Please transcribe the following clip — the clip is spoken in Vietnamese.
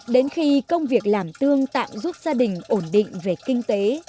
đến khi công việc làm tương tạm giúp gia đình ổn định về kinh tế